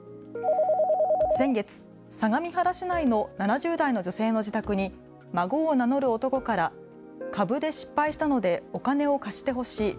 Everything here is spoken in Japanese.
先月、相模原市内の７０代の女性の自宅に孫を名乗る男から株で失敗したのでお金を貸してほしい。